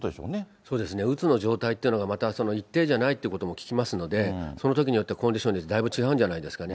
そうですね、うつの状態ということがまた一定じゃないということも聞きますので、そのときによってコンディションでだいぶ違うんじゃないですかね。